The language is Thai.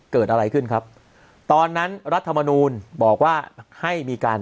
เกิดอะไรขึ้นครับตอนนั้นรัฐมนูลบอกว่าให้มีการ